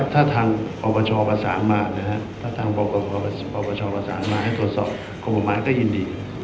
ถ้าทางประชาประสานมาให้ตรวจสอบความประมาทก็ยินดี